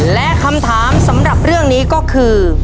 และคำถามสำหรับเรื่องนี้ก็คือ